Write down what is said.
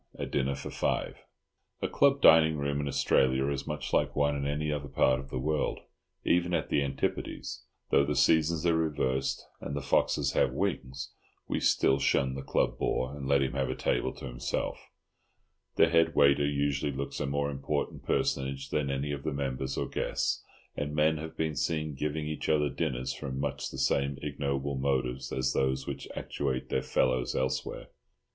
A DINNER FOR FIVE. A club dining room in Australia is much like one in any other part of the world. Even at the Antipodes—though the seasons are reversed, and the foxes have wings—we still shun the club bore, and let him have a table to himself; the head waiter usually looks a more important personage than any of the members or guests; and men may be seen giving each other dinners from much the same ignoble motives as those which actuate their fellows elsewhere.